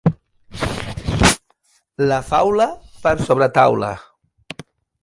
La faula, per sobretaula.